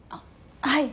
はい。